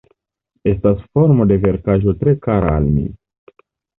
Estas formo de verkaĵo tre kara al mi.